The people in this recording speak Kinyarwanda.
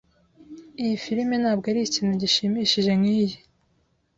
Iyi firime ntabwo arikintu gishimishije nkiyi.